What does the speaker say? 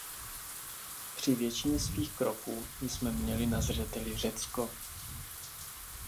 Při většině svých kroků jsme měli na zřeteli Řecko.